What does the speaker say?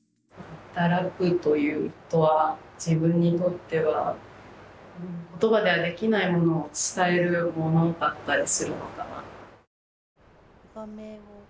働くということは自分にとっては言葉ではできないものを伝えるものだったりするのかな。